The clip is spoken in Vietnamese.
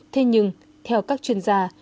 thế nhưng theo các chuyên gia